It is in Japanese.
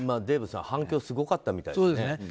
デーブさん反響すごかったみたいですね。